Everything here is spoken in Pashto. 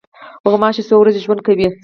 غوماشه څو ورځې ژوند کوي.